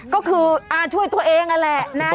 ก็คืออาช่วยตัวเองนั่นแหละนะ